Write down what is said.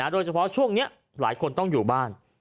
โดยเฉพาะช่วงนี้หลายคนต้องอยู่บ้าน